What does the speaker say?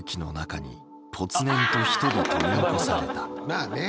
まあね。